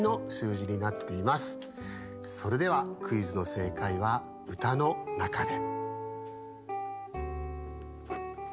それではクイズの正解はうたのなかで。